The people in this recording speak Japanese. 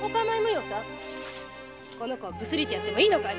この子をブスリとやってもいいのかい！